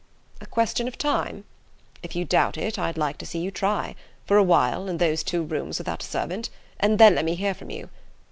"A question of time? If you doubt it, I'd like to see you try, for a while, in those two rooms without a servant; and then let me hear from you.